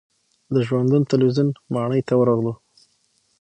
د ژوندون تلویزیون ماڼۍ ته ورغلو.